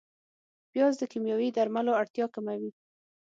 پیاز د کیمیاوي درملو اړتیا کموي